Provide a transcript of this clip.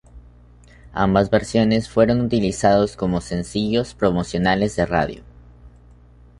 Ambas versiones fueron utilizados como sencillos promocionales de radio.